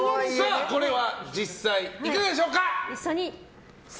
これは実際、いかがでしょうか。